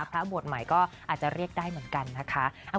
พระบวชใหม่ก็อาจจะเรียกได้เหมือนกันนะคะ